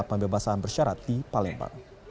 pembebasan bersyarat di palembang